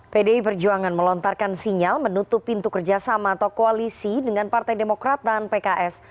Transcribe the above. pdi perjuangan melontarkan sinyal menutup pintu kerjasama atau koalisi dengan partai demokrat dan pks